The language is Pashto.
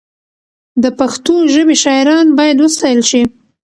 د پښتو ژبې شاعران باید وستایل شي.